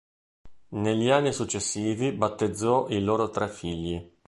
Negli anni successivi battezzò i loro tre figli.